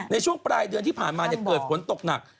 ในช่วงปลายเดือนที่ผ่านมาเกิดฝนตกหนัก